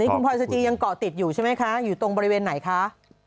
คุณพลอยสจียังเกาะติดอยู่ใช่ไหมคะอยู่ตรงบริเวณไหนคะ